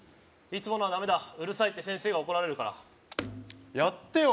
いつものはダメだうるさいって先生が怒られるからやってよ